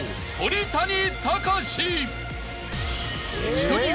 ［シドニー］